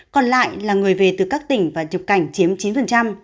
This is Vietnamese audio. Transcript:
còn lại là người về từ các tỉnh và nhập cảnh chiếm chín